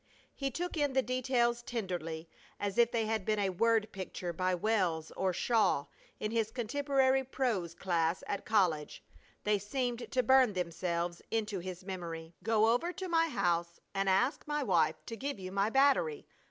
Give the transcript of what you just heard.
He took in the details tenderly, as if they had been a word picture by Wells or Shaw in his contemporary prose class at college. They seemed to burn themselves into his memory. "Go over to my house and ask my wife to give you my battery!"